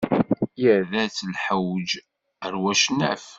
Irra-t lḥewj ar wacnaf.